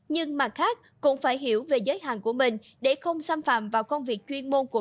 nhưng mặt khác cũng phải hiểu về giới hạn của mình để không xâm phạm vào công việc chuyên môn của